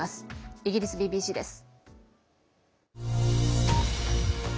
イギリスＢＢＣです。